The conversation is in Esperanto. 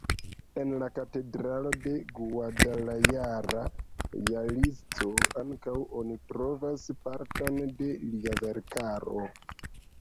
En la katedralo de Guadalajara, Jalisco, ankaŭ oni trovas parton de lia verkaro.